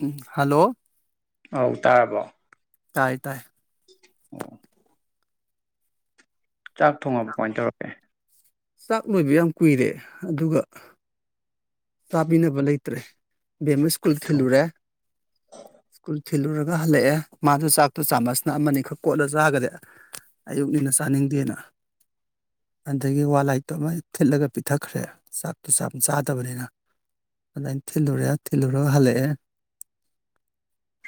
ꯎꯝ hello ꯑꯧ ꯇꯥꯔꯕꯣ ꯇꯥꯏ ꯇꯥꯏ ꯑꯣ ꯆꯥꯛ ꯊꯣꯡꯉꯕ ꯀꯃꯥꯏ ꯇꯧꯔꯒꯦ ꯆꯥꯛ ꯂꯣꯏꯕ ꯌꯥꯝ ꯀꯨꯏꯔꯦ ꯑꯗꯨꯒ ꯆꯥꯕꯤꯅꯕ ꯂꯩꯇ꯭ꯔꯦ ꯕꯦꯝꯃ ꯁ꯭ꯀꯨꯜ ꯀꯩ ꯊꯣꯡ ꯊꯤꯜꯂꯨꯔꯦ ꯁ꯭ꯀꯨꯜ ꯊꯤꯜꯂꯨꯔꯒ ꯍꯜꯂꯛꯑꯦ ꯃꯥꯗꯣ ꯆꯥꯛꯇꯣ ꯆꯥꯝꯃꯁꯅ ꯑꯃꯅꯤꯈꯛ ꯀꯣꯠꯂ ꯆꯥꯒꯔꯦ ꯑꯌꯨꯛꯅꯤꯅ ꯆꯥꯅꯤꯡꯗꯦꯅ ꯑꯗꯒꯤ ꯋꯥ ꯂꯥꯏꯠꯇꯨ ꯑꯃ ꯊꯤꯠꯂꯒ ꯄꯤꯊꯛꯈ꯭ꯔꯦ ꯆꯥꯛꯇꯣ ꯆꯥꯝ ꯆꯥꯗꯕꯅꯤꯅ ꯑꯗꯥꯏ ꯊꯤꯜꯂꯨꯔꯦ ꯊꯤꯜꯂꯨꯔꯒ ꯍꯜꯂꯛꯑꯦ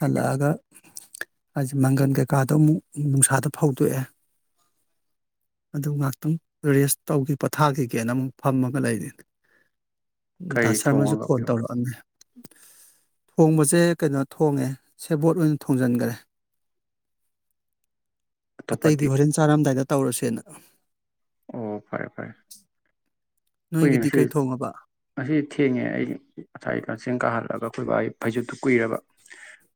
ꯍꯜꯂꯛꯑꯒ ꯑꯁ ꯃꯪꯒꯟ ꯀꯩꯀꯥꯗꯣ ꯑꯃꯨꯛ ꯅꯨꯡꯁꯥꯗ ꯐꯧꯗꯣꯛꯑꯦ ꯑꯗꯨ ꯉꯥꯛꯇꯪ ꯔꯦꯁ ꯇꯧꯈꯤ ꯄꯣꯊꯥꯈꯤꯒꯦꯅ ꯑꯃꯨꯛ ꯐꯝꯃꯒ ꯂꯩꯔꯦ ꯀꯔꯤ ꯗꯥ ꯁꯔꯃꯁꯨ ꯊꯣꯡꯉꯒ ꯐꯣꯟ ꯄꯤꯕ ꯇꯧꯔꯛꯑꯝꯃꯦ ꯊꯣꯡꯕꯁꯦ ꯀꯩꯅꯣ ꯊꯣꯡꯉꯦ ꯁꯦꯕꯣꯠ ꯑꯣꯏꯅ ꯊꯣꯡꯖꯤꯟꯒꯔꯦ ꯑꯇꯣꯞꯄꯗꯤ ꯑꯇꯩꯗꯤ ꯍꯣꯔꯦꯟ ꯆꯥꯔꯝꯗꯥꯏꯗ ꯇꯧꯔꯁꯦꯅ ꯑꯣ ꯐꯔꯦ ꯐꯔꯦ ꯍꯣꯏꯅꯦ ꯅꯣꯏꯒꯤꯗꯤ ꯉꯁꯤ ꯀꯩ ꯊꯣꯡꯉꯕ ꯉꯁꯤ ꯊꯦꯡꯉꯦ ꯑꯩ ꯉꯁꯥꯏ ꯀꯆꯦꯡ ꯀꯥꯍꯜꯂꯒ ꯑꯩꯈꯣꯏ ꯕꯥꯒꯤ ꯐꯩꯖꯨꯞꯇꯨ ꯀꯨꯏꯔꯕ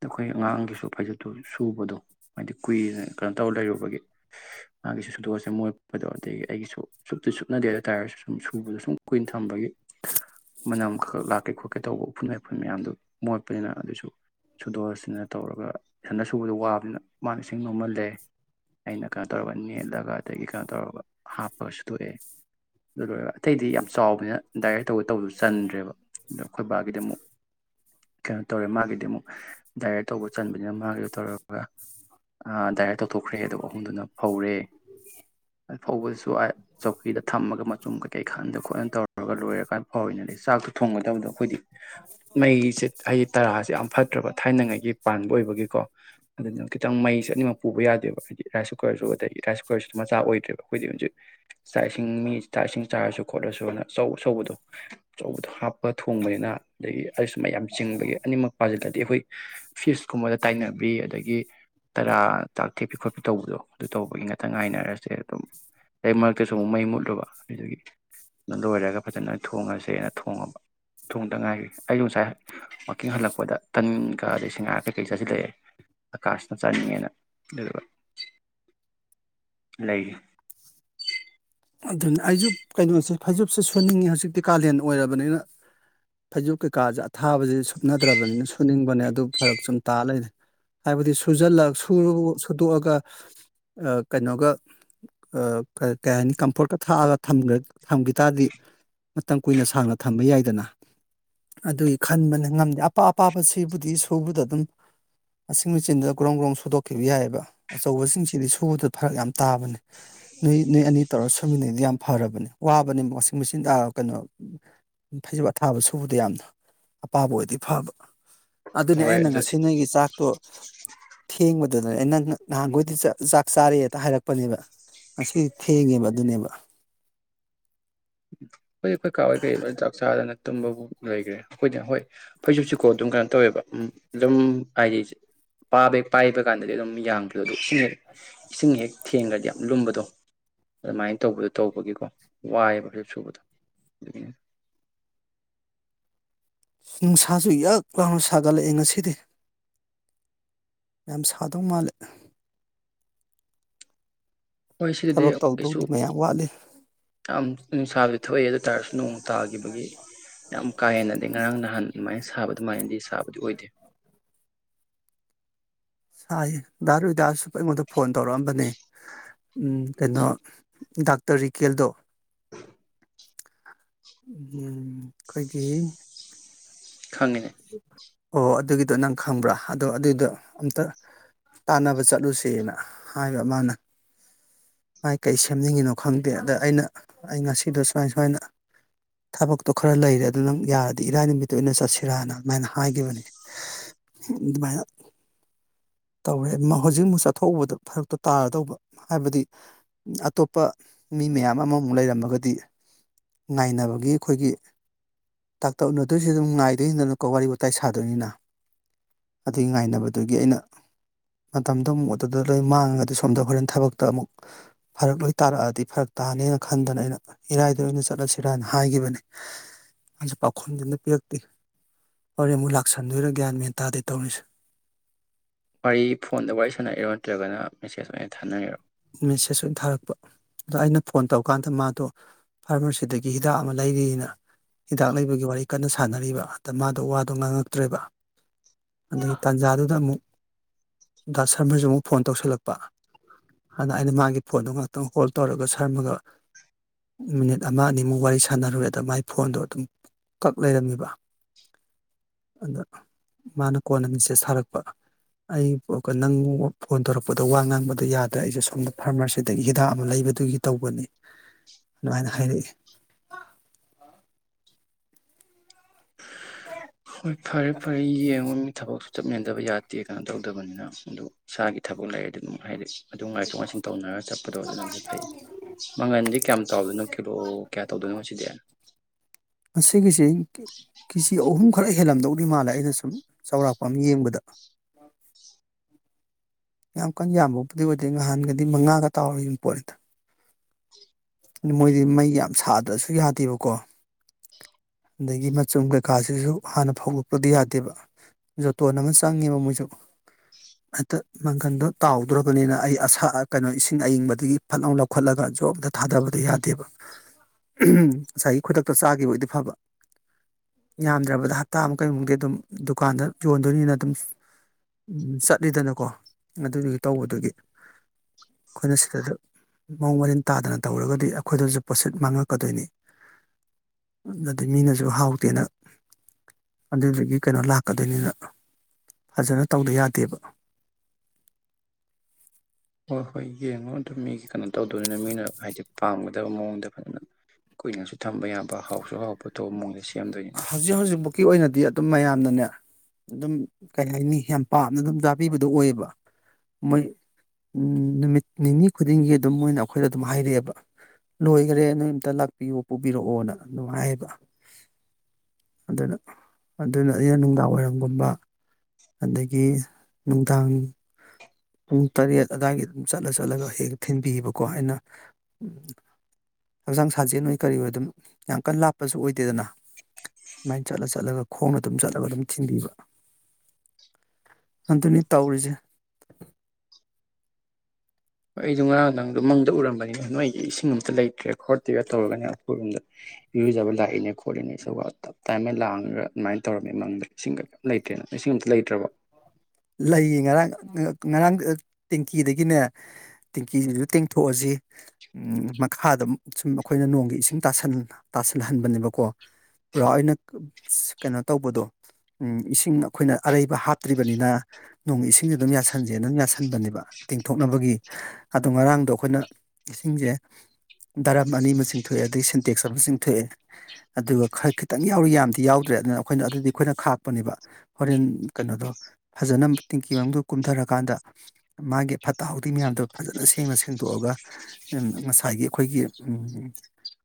ꯑꯩꯈꯣꯏ ꯑꯉꯥꯡꯒꯤꯁꯨ ꯐꯩꯏꯖꯨꯞ ꯗꯨꯏ ꯁꯨꯕꯗꯣ ꯍꯥꯏꯗꯤ ꯀꯨꯏꯅ ꯀꯩꯅꯣ ꯇꯧꯔ ꯂꯩꯔꯨꯕꯒꯤ ꯃꯥꯒꯤꯁꯨ ꯁꯨꯗꯣꯛꯑꯁꯦ ꯃꯣꯠꯄꯗꯣ ꯑꯗꯒꯤ ꯑꯩꯒꯤꯁꯨ ꯁꯨꯞꯇꯤ ꯁꯨꯞꯅꯗꯦ ꯑꯗꯣꯏꯇꯥꯔꯁꯨ ꯁꯨꯝ ꯁꯨꯕꯗꯣ ꯁꯨꯝ ꯀꯨꯏꯅ ꯊꯝꯕꯒꯤ ꯃꯅꯝ ꯈ ꯈꯛ ꯂꯥꯛꯀꯦ ꯈꯣꯠꯀꯦ ꯇꯧꯕ ꯎꯐꯨꯟ ꯃꯏꯐꯨꯟ ꯃꯌꯥꯝꯗꯨ ꯃꯣꯠꯄꯅꯤꯅ ꯑꯗꯨꯁꯨ ꯁꯨꯗꯣꯛꯑꯁꯤꯅ ꯇꯧꯔꯒ ꯏꯊꯟꯗ ꯁꯨꯕꯗꯨ ꯋꯥꯕꯅꯤꯅ ꯃꯥꯅ ꯏꯁꯤꯡ ꯅꯣꯝꯃꯜꯂꯦ ꯑꯩꯅ ꯀꯩꯅꯣ ꯇꯧꯔꯒ ꯅꯦꯠꯂꯒ ꯑꯗꯒꯤ ꯀꯩꯅꯣ ꯇꯧꯔꯒ ꯍꯥꯞꯄꯒ ꯁꯨꯊꯣꯛꯑꯦ ꯑꯗꯨ ꯂꯣꯏꯔ ꯑꯇꯩꯗꯤ ꯌꯥꯝ ꯆꯥꯎꯕꯅꯤꯅ ꯗꯥꯏꯋ꯭ꯔ ꯇꯧꯒꯦ ꯇꯧꯕꯗꯨ ꯆꯟꯗ꯭ꯔꯦꯕ ꯑꯗ ꯑꯩꯈꯣꯏ ꯕꯥꯒꯤꯗꯤ ꯑꯃꯨꯛ ꯀꯩꯅꯣ ꯇꯧꯔꯦ ꯃꯥꯒꯤꯗꯤ ꯑꯃꯨꯛ ꯗꯥꯏꯋ꯭ꯔ ꯇꯧꯕ ꯆꯟꯕꯅꯤꯅ ꯃꯥꯒꯤꯗ ꯇꯧꯔꯒ ꯑ ꯗꯥꯏꯋ꯭ꯔ ꯇꯧꯊꯣꯛꯈ꯭ꯔꯦ ꯑꯗꯨꯒ ꯑꯍꯨꯝꯗꯨꯅ ꯐꯧꯔꯦ ꯐꯧꯕꯗꯁꯨ ꯑꯥꯏ ꯆꯧꯀꯔꯤꯗ ꯊꯝꯃꯒ ꯃꯆꯨꯝ ꯀꯩꯀꯩ ꯈꯪꯗ ꯈꯣꯠꯅ ꯇꯧꯔꯒ ꯂꯣꯏꯔꯀꯥꯟꯗ ꯐꯥꯎꯔꯤꯅꯦ ꯂꯩꯁꯦ ꯆꯥꯛꯇꯣ ꯊꯣꯡꯒꯗꯕꯗꯣ ꯑꯩꯈꯣꯏꯗꯤ ꯃꯩꯁꯦ ꯑꯩꯒ ꯇꯔꯥꯁꯦ ꯌꯥꯝ ꯐꯠꯇ꯭ꯔꯕ ꯊꯥꯏꯅꯉꯥꯏꯒꯤ ꯄꯥꯟꯕ ꯑꯣꯏꯕꯒꯤꯀꯣ ꯑꯗꯨꯅ ꯈꯤꯇꯪ ꯃꯩꯁꯦ ꯑꯅꯤꯃꯛ ꯄꯨꯕ ꯌꯥꯗꯦꯕ ꯍꯥꯏꯗꯤ ꯔꯥꯏꯁ ꯀꯨꯀꯔꯁꯨ ꯑꯗꯒꯤ ꯔꯥꯏꯁ ꯀꯨꯀꯔꯁꯨ ꯃꯆꯥ ꯑꯣꯏꯗ꯭ꯔꯦꯕ ꯑꯩꯈꯣꯏꯗꯤ ꯍꯧꯖꯤꯛ ꯆꯥꯛ ꯏꯁꯤꯡ ꯃꯤ ꯆꯥꯛ ꯏꯁꯤꯡ ꯆꯥꯔꯁꯨ ꯈꯣꯠꯂꯁꯨꯅ ꯑꯆꯧ ꯑꯆꯧꯕꯗꯣ ꯑꯆꯧꯕꯗꯣ ꯍꯥꯞꯄ ꯊꯣꯡꯕꯅꯤꯅ ꯑꯗꯒꯤ ꯑꯁ ꯁꯨꯃꯥꯏ ꯌꯥꯝ ꯆꯤꯡꯕꯒꯤ ꯑꯅꯤꯃꯛ ꯄꯥꯖꯤꯜꯂꯗꯤ ꯑꯩꯈꯣꯏ ꯐꯤꯁꯀꯨꯝꯕꯗ ꯇꯥꯏꯅꯕꯤ ꯑꯗꯒꯤ ꯇꯔꯥ ꯆꯥꯛ ꯊꯦꯛꯄꯤ ꯈꯣꯠꯄꯤ ꯇꯧꯕꯗꯣ ꯑꯗꯨ ꯇꯧꯕꯒꯤ ꯉꯥꯛꯇꯪ ꯉꯥꯏꯅꯔꯁꯦ ꯑꯗꯨꯝ ꯑꯗꯩ ꯃꯔꯛꯇꯁꯨ ꯑꯃꯨꯛ ꯃꯩ ꯃꯨꯠꯂꯨꯕ ꯑꯗꯨꯗꯨꯒꯤ ꯑ ꯂꯣꯏꯔꯒ ꯐꯖꯅ ꯊꯣꯡꯉꯁꯦꯅ ꯊꯣꯡꯉꯕ ꯊꯣꯡꯗ ꯉꯥꯏꯔꯤ ꯑꯩꯁꯨ ꯉꯁꯥꯏ ꯋꯥꯛꯀꯤꯡ ꯍꯜꯂꯛꯄꯗ ꯇꯟꯒ ꯑꯗꯩ ꯁꯤꯡꯍꯥꯔ ꯀꯩꯀꯩ ꯆꯥꯁꯤꯜꯂꯛꯑꯦ ꯑꯀꯥꯁꯅ ꯆꯥꯅꯤꯡꯉꯦꯅ ꯑꯗꯨꯒ ꯂꯩꯔꯤ ꯑꯗꯨꯅ ꯑꯩꯁꯨ ꯀꯩꯅꯣꯁꯦ ꯐꯩꯖꯨꯞꯁꯦ ꯁꯨꯅꯤꯡꯉꯤ ꯍꯧꯖꯤꯛꯇꯤ ꯀꯥꯂꯦꯟ ꯑꯣꯏꯔꯕꯅꯤꯅ ꯐꯩꯖꯨꯞ ꯀꯩꯀꯥꯁꯦ ꯑꯊꯥꯕꯖꯦ ꯁꯨꯞꯅꯗ꯭ꯔꯕꯅꯤꯅ ꯁꯨꯅꯤꯡꯕꯅꯦ ꯑꯗꯨ ꯐꯔꯛ ꯁꯨꯝ ꯇꯥ ꯂꯩꯔꯦ ꯍꯥꯏꯕꯗꯤ ꯁꯨꯖꯜꯂ ꯁꯨ ꯁꯨꯗꯣꯛꯑꯒ ꯑ ꯀꯩꯅꯣꯒ ꯑ ꯑ ꯀꯩ ꯍꯥꯏꯅꯤ ꯀꯝ ꯐꯣꯠꯀ ꯊꯥꯛꯑꯒ ꯊꯝꯒ ꯊꯝꯈꯤ ꯇꯥꯔꯗꯤ ꯃꯇꯝ ꯀꯨꯏꯅ ꯁꯥꯡꯅ ꯊꯝꯕ ꯌꯥꯏꯗꯅ ꯑꯗꯨꯒꯤ ꯈꯟꯕꯅꯦ ꯉꯝꯗꯦ ꯑꯄꯥ ꯑꯄꯥꯕꯁꯤꯕꯨꯗꯤ ꯁꯨꯕꯗ ꯑꯗꯨꯝ ꯋꯥꯁꯤꯡ ꯃꯦꯆꯤꯟꯗ ꯒ꯭ꯔꯣꯡ ꯒ꯭ꯔꯣꯡ ꯁꯨꯗꯣꯛꯈꯤꯕ ꯌꯥꯏꯑꯦꯕ ꯑꯆꯧꯕꯁꯤꯡꯁꯤꯗꯤ ꯁꯨꯕꯗ ꯐꯔꯛ ꯌꯥꯝ ꯇꯥꯕꯅꯦ ꯅꯣꯏ ꯅꯣꯏ ꯑꯅꯤ ꯇꯧꯔ ꯁꯨ ꯁꯃꯤꯟꯅꯩꯗꯣ ꯌꯥꯝ ꯐꯔꯕꯅꯦ ꯋꯥꯕꯅꯦꯕ ꯋꯥꯁꯤꯡ ꯃꯦꯆꯤꯟꯗ ꯑꯥ ꯀꯩꯅꯣ ꯐꯩꯖꯨꯞ ꯑꯊꯥꯕ ꯁꯨꯕꯗꯨ ꯌꯥꯝꯅ ꯑꯄꯥꯕ ꯑꯣꯏꯗꯤ ꯐꯕ ꯑꯗꯨꯅꯦ ꯍꯣꯏ ꯑꯩꯅ ꯑꯗꯨ ꯉꯁꯤ ꯅꯣꯢꯒꯤ ꯆꯥꯛꯇꯣ ꯊꯦꯡꯕꯗꯨꯗꯅꯦ ꯑ ꯅ ꯅꯍꯥꯟꯈꯣꯏꯗꯤ ꯆꯥꯛ ꯆꯥꯔꯤ ꯍꯦꯛꯇ ꯍꯥꯏꯔꯛꯄꯅꯦꯕ ꯉꯁꯤꯗꯤ ꯊꯦꯡꯉꯦꯕ ꯑꯗꯨꯅꯦꯕ ꯍꯣꯏ ꯑꯩꯈꯣꯏ ꯀꯥ ꯍꯣꯏ ꯀꯩ ꯍꯣꯢ ꯂꯣꯢ ꯆꯥꯛ ꯆꯥꯗ ꯅ ꯇꯨꯝꯕꯕꯨ ꯂꯩꯒ꯭ꯔꯦ ꯑꯩꯈꯣꯏꯗ ꯍꯣꯏ ꯐꯩꯖꯨꯞ ꯁꯤꯀꯣ ꯑꯗꯨꯝ ꯀꯩꯅꯣ ꯇꯧꯋꯦꯕ ꯎ ꯑꯗꯨꯝ ꯍꯥꯏꯗꯤ ꯄꯥꯕꯦꯛ ꯄꯥꯏꯕ ꯀꯥꯟꯗꯗꯤ ꯑꯗꯨꯝ ꯌꯥꯡꯕꯤ ꯏꯆꯦ ꯏꯁꯤꯡ ꯍꯦꯛ ꯊꯦꯡꯒ꯭ꯔꯗꯤ ꯌꯥꯝ ꯂꯨꯝꯕꯗꯣ ꯑꯗꯨꯃꯥꯏꯅ ꯇꯧꯕꯗꯣ ꯇꯧꯕꯒꯤꯀꯣ ꯋꯥꯏꯑꯦꯕ ꯍꯧꯖꯤꯛ ꯁꯨꯕꯗꯣ ꯑꯗꯨꯒꯤꯅꯤ ꯅꯨꯡꯁꯥꯁꯨ ꯌꯛ ꯂꯥꯎꯅ ꯁꯥꯒꯠꯂꯛꯏ ꯉꯁꯤꯗꯤ ꯌꯥꯝ ꯁꯥꯗꯧ ꯃꯥꯜꯂꯦ ꯍꯣꯏ ꯁꯤꯗꯗꯤ ꯊꯕꯛ ꯀꯩꯁꯨ ꯇꯧꯗꯧꯗꯤ ꯃꯌꯥꯝ ꯋꯥꯠꯂꯤ ꯌꯥꯝ ꯅꯨꯡꯁꯥꯕꯨꯗꯤ ꯊꯣꯛꯏ ꯑꯗꯨ ꯑꯣꯏ ꯇꯥꯔꯁꯨ ꯅꯣꯡ ꯇꯥꯒꯤꯕꯒꯤ ꯌꯥꯝ ꯀꯥ ꯍꯦꯟꯅꯗꯤ ꯉꯔꯥꯡ ꯅꯍꯥꯟ ꯑꯗꯨꯃꯥꯏꯅ ꯁꯥꯕ ꯑꯗꯨꯃꯥꯏꯅꯗꯤ ꯁꯥꯕꯗꯤ ꯑꯣꯏꯗꯦ ꯁꯥꯏꯌꯦ ꯗꯥ ꯔꯨꯍꯤꯗꯥꯁꯨ ꯑꯩꯉꯣꯟꯗ ꯐꯣꯟ ꯇꯧꯔꯛꯑꯝꯕꯅꯦ ꯎꯝ ꯀꯩꯅꯣ ꯗꯥꯛꯇꯔ ꯔꯤꯀꯦꯜꯗꯣ ꯎꯝ ꯑꯩꯈꯣꯏꯒꯤ ꯈꯪꯉꯦ ꯑꯣ ꯑꯗꯨꯒꯤꯗꯣ ꯅꯪ ꯈꯪꯕ꯭ꯔꯥ ꯑꯗꯣ ꯑꯗꯨꯏꯗꯣ ꯑꯝꯇ ꯇꯥꯟꯅꯕ ꯆꯠꯂꯨꯁꯦꯅ ꯍꯥꯏꯕ ꯃꯥꯅ ꯃꯥꯏ ꯀꯩ ꯁꯦꯝꯅꯤꯡꯉꯤꯅꯣ ꯈꯪꯗꯦ ꯑꯗ ꯑꯩꯅ ꯑꯩ ꯉꯁꯤꯗꯣ ꯁꯨꯃꯥꯏ ꯁꯨꯃꯥꯏꯅ ꯊꯕꯛꯇꯣ ꯈꯔ ꯂꯩꯔꯦ ꯑꯗꯣ ꯅꯪ ꯌꯥꯔꯗꯤ ꯏꯔꯥꯏ ꯅꯨꯃꯤꯠ ꯇ ꯑꯣꯏꯅ ꯆꯠꯁꯤꯔꯥꯅ ꯑꯗꯨꯃꯥꯏꯅ ꯍꯥꯏꯈꯤꯕꯅꯤ ꯑꯗꯨꯃꯥꯏꯅ ꯇꯧꯔꯦ ꯍꯧꯖꯤꯛ ꯑꯃꯨꯛ ꯆꯠꯊꯣꯛꯎꯧꯕꯗ ꯐꯔꯛꯇꯣ ꯇꯥꯔꯗꯧꯕ ꯍꯥꯏꯕꯗꯤ ꯑꯇꯣꯞꯄ ꯃꯤ ꯃꯌꯥꯝ ꯑꯃꯃꯨꯛ ꯂꯩꯔꯝꯃꯒꯗꯤ ꯉꯥꯏꯅꯕꯒꯤ ꯑꯩꯈꯣꯏꯒꯤ ꯇꯥꯛꯇꯛꯅ ꯑꯗꯨꯑꯣꯏꯁꯨ ꯑꯗꯨꯝ ꯉꯥꯏꯗꯣꯏꯅꯤꯗꯅꯀꯣ ꯋꯥꯔꯤ ꯋꯥꯇꯥꯏ ꯁꯥꯗꯣꯏꯅꯤꯅ ꯑꯗꯨꯒꯤ ꯉꯥꯏꯅꯕꯗꯨꯒꯤ ꯑꯩꯅ ꯃꯇꯝꯗꯣ ꯑꯃꯨꯛ ꯑꯗꯨꯗ ꯂꯣꯏ ꯃꯥꯡꯉꯗꯤ ꯁꯣꯝꯗ ꯍꯣꯔꯦꯟ ꯊꯕꯛꯇ ꯑꯃꯨꯛ ꯐꯔꯛ ꯂꯣꯏ ꯇꯥꯔꯛꯑꯗꯤ ꯐꯔꯛ ꯇꯥꯅꯦꯅ ꯈꯟꯗꯅ ꯑꯩꯅ ꯏꯔꯥꯏꯗ ꯑꯣꯏꯅ ꯆꯠꯂꯁꯤꯔꯅ ꯍꯥꯏꯈꯤꯕꯅꯤ ꯑꯗꯨ ꯄꯥꯎꯈꯨꯝꯗꯨꯅ ꯄꯤꯔꯛꯇꯦ ꯍꯣꯔꯦꯟ ꯑꯃꯨꯛ ꯂꯥꯛꯁꯟꯗꯣꯏꯔꯥ ꯒ꯭ꯌꯥꯟ ꯃꯦꯟ ꯇꯥꯗꯦ ꯇꯧꯔꯤꯁꯦ ꯋꯥꯔꯤ ꯐꯣꯟꯗ ꯋꯥꯔꯤ ꯁꯥꯟꯅꯩꯔꯣ ꯅꯠꯇ꯭ꯔꯒꯅ ꯃꯦꯁꯦꯖ ꯑꯣꯏꯅ ꯊꯥꯅꯔꯤꯔꯣ ꯃꯦꯁꯦꯁ ꯑꯣꯏꯅ ꯊꯥꯔꯛꯄ ꯑꯗ ꯑꯩꯅ ꯐꯣꯟ ꯇꯧꯔꯀꯥꯟꯗ ꯃꯥꯗꯣ ꯐꯥꯔꯃꯔꯁꯤꯗꯒꯤ ꯍꯤꯗꯥꯛ ꯑꯃ ꯂꯩꯔꯤꯅ ꯍꯤꯗꯥꯛ ꯂꯩꯕꯒꯤ ꯋꯥꯔꯤ ꯀꯟꯅ ꯁꯥꯟꯅꯔꯤꯕ ꯑꯗ ꯃꯥꯗꯣ ꯋꯥꯗꯣ ꯉꯥꯡꯉꯛꯇ꯭ꯔꯦꯕ ꯑꯗꯨꯒꯤ ꯇꯥꯟꯖꯥꯗꯨꯗ ꯑꯃꯨꯛ ꯗꯥ ꯁꯃꯔꯁꯨ ꯑꯃꯨꯛ ꯐꯣꯟ ꯇꯧꯁꯤꯜꯂꯛꯄ ꯍꯥꯢꯅ ꯑꯩꯅ ꯃꯥꯒꯤ ꯐꯣꯟꯗꯣ ꯉꯍꯥꯛꯇꯪ ꯍꯣꯜ ꯇꯧꯔꯒ ꯁꯥꯔꯃꯒ ꯃꯤꯅꯤꯠ ꯑꯃ ꯑꯅꯤꯃꯨꯛ ꯋꯥꯔꯤ ꯁꯥꯟꯅꯔꯨꯔꯦ ꯑꯗ ꯃꯥꯒꯤ ꯐꯣꯟꯗꯣ ꯑꯗꯨꯝ ꯀꯛ ꯂꯩꯔꯝꯃꯤꯕ ꯑꯗ ꯃꯥꯅ ꯀꯣꯟꯅ ꯃꯦꯁꯦꯖ ꯊꯥꯔꯛꯄ ꯑꯩ ꯅꯪ ꯐꯣꯟ ꯇꯧꯔꯛꯄꯗꯣ ꯋꯥ ꯉꯥꯡꯕꯗ ꯌꯥ ꯑꯗꯨꯗ ꯑꯩꯁꯨ ꯁꯣꯝꯗ ꯐꯥꯔꯃꯥꯁꯤꯗꯒꯤ ꯍꯤꯗꯥꯛ ꯑꯃ ꯂꯩꯕꯗꯨꯒꯤ ꯇꯧꯕꯅꯤ ꯑꯗꯨꯃꯥꯏꯅ ꯍꯥꯏꯔꯛꯏ ꯍꯣꯏ ꯐꯔꯦ ꯐꯔꯦ ꯌꯦꯡꯉꯣ ꯃꯤ ꯊꯕꯛ ꯆꯠ ꯃꯤꯟꯅꯗꯕ ꯌꯥꯗꯦ ꯀꯩꯅꯣ ꯇꯧꯗꯕꯅꯤꯅ ꯑꯗꯨ ꯏꯁꯥꯒꯤ ꯊꯕꯛ ꯂꯩꯔꯗꯤ ꯑꯗꯨꯝ ꯍꯥꯏꯗꯤ ꯑꯗꯨ ꯉꯥꯏꯊꯣꯛ ꯉꯥꯏꯁꯤꯟ ꯇꯧꯅꯔꯒ ꯆꯠꯄꯗꯣ ꯑꯗꯨꯅꯁꯨ ꯐꯩ ꯃꯪꯒꯟꯗꯤ ꯀꯌꯥꯝ ꯆꯥꯎꯗꯣꯏꯅꯣ ꯀꯤꯂꯣ ꯀꯌꯥ ꯇꯧꯗꯣꯏꯅꯣ ꯉꯁꯤꯗꯤ ꯃꯁꯤꯒꯤꯁꯤ ꯀꯦꯖꯤ ꯑꯍꯨꯝ ꯈꯔ ꯍꯦꯜꯂꯝꯗꯧꯗꯤ ꯃꯥꯜꯂꯦ ꯑꯩꯗꯨ ꯁꯨꯝ ꯆꯥꯎꯔꯥꯛꯄ ꯑꯃ ꯌꯦꯡꯕꯗ ꯌꯥꯝ ꯀꯟꯅ ꯌꯥꯝꯕꯕꯨꯗꯤ ꯑꯣꯏꯗꯦ ꯅꯍꯥꯟꯒꯗꯤ ꯃꯉꯥꯒ ꯇꯥꯎꯔꯤ ꯄꯣꯠꯅꯤꯗ ꯃꯣꯏꯗꯤ ꯃꯩ ꯌꯥꯝ ꯁꯥꯗ꯭ꯔꯁꯨ ꯌꯥꯗꯦꯕꯀꯣ ꯑꯗꯒꯤ ꯃꯆꯨꯝ ꯀꯩꯀꯥꯁꯤꯁꯨ ꯍꯥꯟꯅ ꯐꯧꯗꯣꯛꯇꯗꯤ ꯌꯥꯗꯦꯕ ꯖꯣꯇꯣꯟ ꯑꯃ ꯆꯪꯉꯦꯕ ꯃꯣꯏꯁꯨ ꯍꯦꯛꯇ ꯃꯪꯒꯟꯗꯣ ꯇꯥꯎꯗ꯭ꯔꯣꯕꯅꯤꯅ ꯑꯩ ꯑꯁꯥ ꯑ ꯀꯩꯅꯣ ꯏꯁꯤꯡ ꯑꯌꯤꯡꯕꯗꯨꯗꯒꯤ ꯐꯠꯂꯥꯎ ꯂꯧꯈꯠꯂꯒ ꯖꯣꯞ ꯑꯗ ꯊꯥꯗꯕꯗꯣ ꯌꯥꯗꯦꯕ ꯉꯁꯥꯏꯒꯤ ꯈꯨꯗꯛꯇ ꯆꯥꯈꯤꯕ ꯑꯣꯢꯗꯤ ꯐꯕ ꯌꯥꯝꯗ꯭ꯔꯕꯗ ꯍꯞꯇꯥ ꯃꯨꯛ ꯀꯩꯃꯨꯛꯗꯤ ꯑꯗꯨꯝ ꯗꯨꯀꯥꯟꯗ ꯌꯣꯟꯗꯣꯏꯅꯤꯅ ꯑꯗꯨꯝ ꯑꯝ ꯆꯠꯂꯤꯗꯅꯀꯣ ꯑꯗꯨꯗꯨꯒꯤ ꯇꯧꯕꯗꯨꯒꯤ ꯑꯩꯈꯣꯏꯅ ꯁꯤꯗꯗ ꯃꯑꯣꯡ ꯃꯔꯤꯟ ꯇꯥꯗꯅ ꯇꯧꯔꯒꯗꯤ ꯑꯩꯈꯣꯏꯗꯁꯨ ꯄꯣꯠꯁꯤꯠ ꯃꯥꯡꯉꯛꯀꯗꯣꯏꯅꯤ ꯑꯗꯨꯗꯤ ꯃꯤꯅꯁꯨ ꯍꯥꯎꯇꯦꯅ ꯑꯗꯨꯗꯨꯒꯤ ꯀꯩꯅꯣ ꯂꯥꯛꯀꯗꯣꯏꯅꯤꯅ ꯐꯖꯅ ꯇꯧꯗ ꯌꯥꯗꯦꯕ ꯍꯣꯏ ꯍꯣꯏ ꯌꯦꯡꯉꯣ ꯑꯗꯨꯝ ꯃꯤꯒꯤ ꯀꯩꯅꯣ ꯇꯧꯗꯣꯏꯅꯤꯅ ꯃꯤꯅ ꯍꯥꯏꯗꯤ ꯄꯥꯝꯒꯗꯕ ꯃꯑꯣꯡꯗ ꯐꯖꯅ ꯀꯨꯏꯅꯁꯨ ꯊꯝꯕ ꯌꯥꯕ ꯍꯥꯎꯁꯨ ꯍꯥꯎꯒꯗꯕ ꯃꯑꯣꯡꯗ ꯁꯦꯝ ꯍꯧꯖꯤꯛ ꯍꯧꯖꯤꯛꯐꯥꯎꯀꯤ ꯑꯣꯏꯅꯗꯤ ꯑꯗꯨꯝ ꯃꯌꯥꯝꯅꯅꯦ ꯑꯗꯨꯝ ꯀꯩ ꯍꯥꯏꯅꯤ ꯌꯥꯝ ꯄꯥꯝꯅ ꯑꯗꯨꯝ ꯆꯥꯕꯤꯕꯗꯣ ꯑꯣꯏꯌꯦꯕ ꯃꯣꯏ ꯅꯨꯃꯤꯠ ꯅꯤꯅꯤ ꯈꯨꯗꯤꯡꯒꯤ ꯑꯗꯨꯝ ꯃꯣꯏꯅ ꯑꯩꯈꯣꯏꯗ ꯑꯗꯨꯝ ꯍꯥꯏꯔꯛꯑꯦꯕ ꯂꯣꯏꯈꯔꯦ ꯅꯣꯏ ꯑꯝꯇ ꯂꯥꯛꯄꯤꯌꯣ ꯄꯨꯕꯤꯔꯛꯑꯣꯅ ꯅꯨꯡꯉꯥꯏꯌꯦꯕ ꯑꯗꯨꯅ ꯑꯗꯨꯅ ꯑꯩꯅ ꯅꯨꯡꯗꯥꯡ ꯋꯥꯏꯔꯝꯒꯨꯝꯕ ꯑꯗꯒꯤ ꯅꯨꯡꯗꯥꯡ ꯄꯨꯡ ꯇꯔꯦꯠ ꯑꯗꯨꯋꯥꯏꯒꯤ ꯑꯗꯨꯝ ꯆꯠꯂ ꯆꯠꯂꯒ ꯍꯦꯛ ꯊꯤꯟꯕꯤꯕꯀꯣ ꯑꯩꯅ ꯑꯝ ꯍꯛꯆꯥꯡ ꯁꯥꯖꯦꯜ ꯍꯣꯏ ꯀꯔꯤ ꯑꯣꯏ ꯑꯗꯨꯝ ꯌꯥꯝ ꯀꯟꯅ ꯂꯥꯞꯄꯁꯨ ꯑꯣꯏꯗꯦꯗꯅ ꯑꯗꯨꯃꯥꯏꯅ ꯆꯠꯂ ꯆꯠꯂꯒ ꯈꯣꯡꯅ ꯑꯗꯨꯝ ꯆꯠꯂꯒ ꯑꯗꯨꯝ ꯊꯤꯟꯕꯤꯕ ꯑꯗꯨꯅꯤ ꯇꯧꯔꯤꯖꯦ [inaudible] ꯍꯣꯏ ꯑꯩꯗꯣ ꯉꯔꯥꯡ ꯅꯪꯗꯣ ꯃꯪꯗ ꯎꯔꯝꯕꯅꯤꯅꯦ ꯅꯣꯏꯒꯤ ꯏꯁꯤꯡ ꯑꯇ ꯂꯩꯇ꯭ꯔꯦ ꯈꯣꯠꯇꯦꯒ ꯇꯧꯔꯒꯅꯦ ꯑꯩꯈꯣꯏꯔꯣꯝꯗ ꯏꯔꯨꯖꯕ ꯂꯥꯛꯏꯅꯦ ꯈꯣꯠꯂꯤꯅꯦ ꯏꯁꯧꯒꯁꯦ ꯇꯞ ꯇꯥꯏꯅ ꯂꯥꯡꯉꯒ ꯑꯗꯨꯃꯥꯏꯅ ꯇꯧꯔꯝꯃꯦ ꯃꯪꯗ ꯏꯁꯤꯡꯒ ꯀꯩꯝ ꯂꯩꯇ꯭ꯔꯦ ꯅꯣꯢ ꯏꯁꯤꯡ ꯑꯝꯇ ꯂꯩꯇ꯭ꯔꯕ ꯂꯩꯌꯦ ꯉꯔꯥꯡ ꯉꯔꯥꯡ ꯇꯦꯡꯀꯤꯗꯒꯤꯅꯦ ꯇꯦꯡꯀꯤꯁꯨ ꯇꯦꯡꯊꯣꯛꯑꯁꯤ ꯃꯈꯥꯗ ꯁꯨꯝ ꯑꯩꯈꯣꯏꯅ ꯅꯣꯡꯒꯤ ꯏꯁꯤꯡ ꯇꯥꯁꯜ ꯇꯥꯁꯜꯍꯟꯕꯅꯦꯕꯀꯣ ꯄꯨꯔꯥ ꯑꯣꯏꯅ ꯀꯩꯅꯣ ꯇꯧꯕꯗꯣ ꯑꯝ ꯏꯁꯤꯡ ꯑꯩꯈꯣꯏꯅ ꯑꯔꯩꯕ ꯍꯥꯞꯇ꯭ꯔꯤꯕꯅꯤꯅ ꯅꯣꯡꯒꯤ ꯏꯁꯤꯡꯁꯦ ꯑꯗꯨꯝ ꯌꯥꯁꯟꯖꯦꯅ ꯑꯗꯨꯝ ꯌꯥꯁꯟꯕꯅꯦꯕ ꯇꯦꯡꯊꯣꯛꯅꯕꯒꯤ ꯑꯗꯣ ꯉꯔꯥꯡꯗꯣ ꯑꯩꯈꯣꯏꯅ ꯏꯁꯤꯡꯁꯦ ꯗꯔꯝ ꯑꯅꯤ ꯑꯃ ꯆꯤꯡꯊꯣꯛꯑꯦ ꯑꯗꯨꯗꯒꯤ ꯁꯦꯟꯇꯦꯛꯁ ꯑꯃ ꯆꯤꯡꯊꯣꯛꯑꯦ ꯑꯗꯨꯒ ꯈꯔ ꯈꯤꯇꯪ ꯌꯥꯎꯔꯤ ꯌꯥꯝꯗꯤ ꯌꯥꯎꯗ꯭ꯔꯦ ꯑꯗꯨꯅ ꯑꯩꯈꯣꯏꯅ ꯑꯗꯨꯗꯤ ꯑꯩꯈꯣꯏꯅ ꯈꯥꯛꯄꯅꯦꯕ ꯍꯣꯔꯦꯟ ꯀꯩꯅꯣꯗꯣ ꯐꯖꯅ ꯑꯝ ꯇꯤꯡꯀꯤ ꯃꯅꯨꯡꯗ ꯀꯨꯝꯊꯔꯀꯥꯟꯗ ꯃꯥꯒꯤ ꯐꯠꯇ ꯍꯥꯎꯗꯤ ꯃꯌꯥꯝꯗꯣ ꯐꯖꯅ ꯁꯦꯡꯅ ꯁꯦꯡꯗꯣꯛꯑꯒ ꯉꯁꯥꯏꯒꯤ ꯑꯩꯈꯣꯏꯒꯤ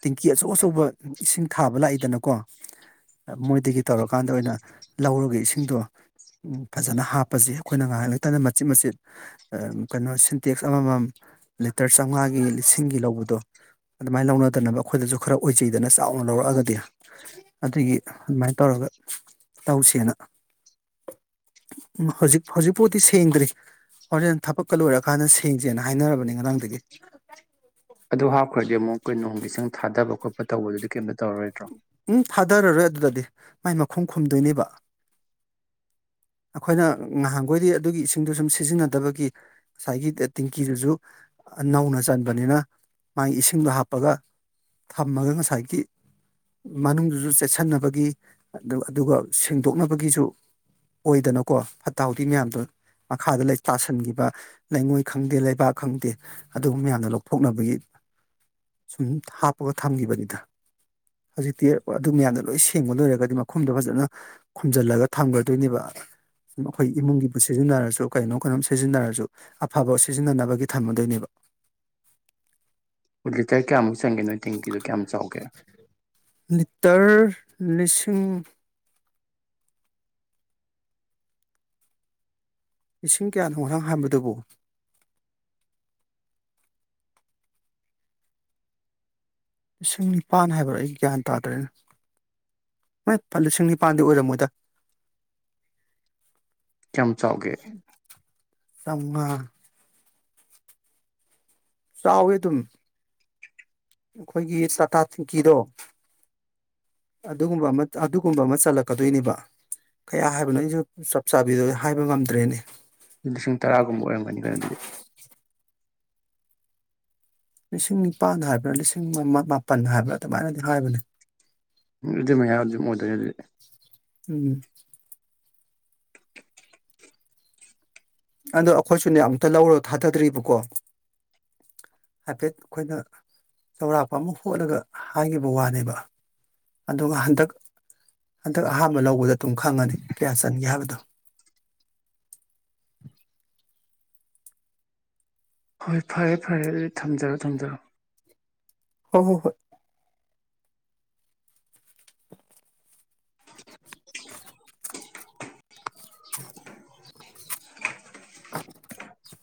ꯇꯤꯡꯀꯤ ꯑꯆꯧ ꯑꯆꯧꯕ ꯏꯁꯤꯡ ꯊꯥꯕ ꯂꯥꯛꯏꯗꯅꯀꯣ ꯃꯣꯏꯗꯒꯤ ꯇꯧꯔꯀꯥꯟꯗ ꯑꯣꯏꯅ ꯂꯧꯔꯒ ꯏꯁꯤꯡꯗꯣ ꯐꯖꯅ ꯍꯥꯞꯄꯁꯤ ꯑꯩꯈꯣꯏꯅ ꯉꯥꯏꯍꯥꯛ ꯂꯩꯇꯗ ꯃꯆꯤꯠ ꯃꯆꯤꯠ ꯑ ꯀꯩꯅꯣ ꯁꯤꯟꯇꯦꯛꯁ ꯑꯃꯃꯝ ꯂꯤꯇꯔ ꯆꯥꯝꯃꯉꯥꯒꯤ ꯂꯤꯁꯤꯡꯒꯤ ꯂꯧꯕꯗꯣ ꯑꯗꯨꯃꯥꯏꯅ ꯂꯧꯅꯗꯅꯕ ꯑꯩꯈꯣꯏꯗꯁꯨ ꯈꯔ ꯑꯣꯏꯖꯩꯗꯅ ꯆꯥꯎꯅ ꯂꯧꯔꯛꯑꯒꯗꯤ ꯑꯗꯨꯒꯤ ꯑꯗꯨꯃꯥꯏꯅ ꯇꯧꯔꯒ ꯇꯧꯁꯦꯅ ꯎ ꯍꯧꯖꯤꯛ ꯍꯧꯖꯤꯛꯐꯥꯎꯗꯤ ꯁꯦꯡꯗ꯭ꯔꯤ ꯍꯣꯔꯦꯟ ꯊꯕꯛꯀ ꯂꯣꯏꯔꯀꯥꯟꯗ ꯁꯦꯡꯁꯦꯅ ꯍꯥꯏꯅꯔꯕꯅꯤ ꯉꯔꯥꯡꯗꯒꯤ ꯑꯗꯨ ꯍꯥꯞꯈ꯭ꯔꯗꯤ ꯑꯃꯨꯛ ꯑꯩꯈꯣꯏ ꯅꯣꯡꯒꯤ ꯏ ꯆꯪ ꯊꯥꯗꯕ ꯈꯣꯠꯄ ꯇꯧꯕꯗꯨꯗꯤ ꯀꯩꯝꯇ ꯇꯧꯔꯣꯏꯗ꯭ꯔꯣ ꯎꯝ ꯊꯥꯗꯔꯔꯣꯏ ꯑꯗꯨꯗꯗꯤ ꯃꯥꯏ ꯃꯈꯨꯝ ꯈꯨꯝꯗꯣꯏꯅꯦꯕ ꯑꯩꯈꯣꯏꯅ ꯉꯍꯥꯟꯈꯣꯏꯗꯤ ꯑꯗꯨꯒꯤ ꯏꯁꯤꯡꯗꯣ ꯁꯨꯝ ꯁꯤꯖꯤꯟꯅꯗꯕꯒꯤ ꯉꯁꯥꯏꯒꯤ ꯑ ꯇꯤꯡꯀꯤꯗꯨꯁꯨ ꯅꯧꯅ ꯆꯟꯕꯅꯦꯅ ꯃꯥꯒꯤ ꯏꯁꯤꯡꯗꯣ ꯍꯥꯞꯄꯒ ꯊꯝꯃꯒ ꯉꯁꯥꯏꯒꯤ ꯃꯅꯨꯡꯗꯨꯁꯨ ꯆꯦꯠꯁꯟꯅꯕꯒꯤ ꯑꯗꯨ ꯑꯗꯨꯒ ꯁꯦꯡꯗꯣꯛꯅꯕꯒꯤꯁꯨ ꯑꯣꯏꯗꯅꯀꯣ ꯐꯠꯇ ꯍꯥꯎꯗꯤ ꯃꯌꯥꯝꯗꯣ ꯃꯈꯥꯗ ꯂꯩ ꯇꯥꯁꯟꯈꯤꯕ ꯂꯩꯉꯣꯏ ꯈꯪꯗꯦ ꯂꯩꯕꯥꯛ ꯈꯪꯗꯦ ꯑꯗꯨꯒꯨꯝ ꯃꯌꯥꯝꯗꯣ ꯂꯧꯊꯣꯛꯅꯕꯒꯤ ꯁꯨꯝ ꯍꯥꯞꯄꯒ ꯊꯝꯈꯤꯕꯅꯤꯗ ꯍꯧꯖꯤꯛꯇꯤ ꯑꯗꯨ ꯃꯌꯥꯝꯗꯣ ꯂꯣꯏ ꯁꯦꯡꯕ ꯂꯣꯏꯔꯒꯗꯤ ꯃꯈꯨꯝꯗꯣ ꯐꯖꯅ ꯈꯨꯝꯖꯜꯂꯒ ꯊꯝꯒꯗꯣꯏꯅꯦꯕ ꯑꯩꯈꯣꯏ ꯏꯃꯨꯡꯒꯤꯕꯨ ꯁꯤꯖꯤꯟꯅꯔꯁꯨ ꯀꯩꯅꯣ ꯀꯩꯅꯣꯝ ꯁꯤꯖꯤꯟꯅꯔꯁꯨ ꯑꯐꯕ ꯁꯤꯖꯤꯟꯅꯅꯕꯒꯤ ꯊꯝꯃꯗꯣꯏꯅꯦꯕ ꯂꯤꯇꯔ ꯀꯌꯥꯝ ꯃꯨ ꯆꯟꯒꯦ ꯅꯣꯏ ꯇꯦꯡꯀꯤꯗꯣ ꯀꯌꯥꯝ ꯆꯥꯎꯒꯦ ꯇꯔ ꯂꯤꯁꯤꯡ ꯏꯁꯤꯡ ꯀꯌꯥꯅꯣ ꯉꯔꯥꯡ ꯍꯥꯏꯕꯗꯨꯕꯨ ꯂꯤꯁꯤꯡ ꯅꯤꯄꯥꯟ ꯍꯥꯏꯕ꯭ꯔꯥ ꯑꯩ ꯒ꯭ꯌꯥꯟ ꯇꯥꯗ꯭ꯔꯦꯅꯦ ꯃꯥꯏ ꯂꯤꯁꯤꯡ ꯅꯤꯄꯥꯟꯗꯤ ꯑꯣꯏꯔꯝꯃꯣꯏꯗ ꯀꯌꯥꯝ ꯆꯥꯎꯒꯦ ꯆꯧꯉꯥ ꯆꯥꯎꯋꯦ ꯑꯗꯨꯝ ꯑꯩꯈꯣꯏꯒꯤ ꯆꯥꯇꯥ ꯇꯤꯡꯀꯤꯗꯣ ꯑꯗꯨꯒꯨꯝꯕ ꯑꯃ ꯑꯗꯨꯒꯨꯝꯕ ꯑꯃ ꯆꯜꯂꯛꯀꯗꯣꯏꯅꯦꯕ ꯀꯌꯥ ꯍꯥꯏꯕꯅꯣ ꯑꯩꯁꯨ ꯆꯞ ꯆꯥꯕꯤꯗꯣ ꯑꯩ ꯍꯥꯏꯕ ꯉꯝꯗ꯭ꯔꯦꯅꯦ ꯂꯤꯁꯤꯡ ꯇꯔꯥꯒꯨꯝꯕ ꯑꯣꯏꯔꯝꯒꯅꯤ ꯀꯩꯅꯣ ꯑꯗꯨꯗꯤ ꯂꯤꯁꯤꯡ ꯅꯤꯄꯥꯥꯟ ꯍꯥꯏꯕ꯭ꯔꯥ ꯂꯤꯁꯤꯡ ꯃ ꯃꯥꯄꯟ ꯍꯥꯏꯕ꯭ꯔꯥ ꯑꯗꯨꯃꯥꯏꯅꯗꯤ ꯍꯥꯏꯕꯅꯦ ꯎ ꯑꯗꯨ ꯃꯌꯥꯗꯤ ꯑꯗꯨꯝ ꯑꯣꯏꯗꯣꯏꯅꯦ ꯑꯗꯨꯗꯤ ꯎꯝ ꯑꯗꯣ ꯑꯩꯈꯣꯏꯁꯨꯅꯦ ꯑꯝꯇ ꯂꯧꯔꯒ ꯊꯥꯗꯗ꯭ꯔꯤꯕꯀꯣ ꯍꯥꯏꯐꯦꯠ ꯑꯩꯈꯣꯏꯅ ꯆꯥꯎꯔꯥꯛꯄ ꯑꯃ ꯍꯣꯠꯂꯒ ꯍꯥꯏꯒꯤꯕ ꯋꯥꯅꯦꯕ ꯑꯗꯨꯒ ꯍꯟꯗꯛ ꯍꯟꯗꯛ ꯑꯍꯥꯟꯕ ꯂꯧꯕꯗ ꯑꯗꯨꯝ ꯈꯪꯉꯅꯤ ꯀꯌꯥ ꯆꯟꯒꯦ ꯍꯥꯏꯕꯗꯣ ꯍꯣꯏ ꯐꯔꯦ ꯐꯔꯦ ꯑꯗꯨꯗꯤ ꯊꯝꯖꯔꯣ ꯊꯝꯖꯔꯣ ꯍꯣ ꯍꯣ ꯍꯣꯏ [inaudible]